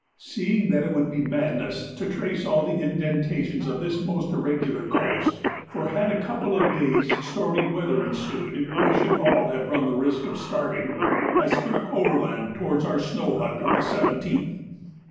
Seeing that it would be madness to trace all the indentations of this most irregular coast, (for had a couple of days' stormy weather ensued we should all have run the risk of starving,) I struck over land towards our snow hut of the 17th.